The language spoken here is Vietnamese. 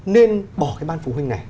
nên bỏ cái ban phụ huynh này